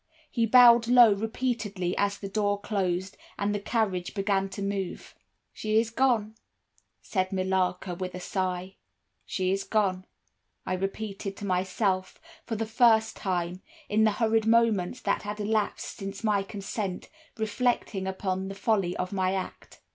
He bowed low repeatedly as the door closed, and the carriage began to move. "'She is gone,' said Millarca, with a sigh. "'She is gone,' I repeated to myself, for the first time—in the hurried moments that had elapsed since my consent—reflecting upon the folly of my act.